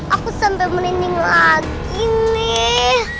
aku sampe meninding lagi nih